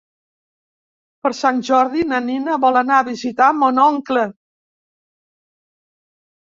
Per Sant Jordi na Nina vol anar a visitar mon oncle.